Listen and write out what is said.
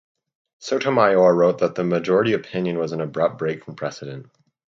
Sotomayor wrote that the majority opinion was "an abrupt break from precedent".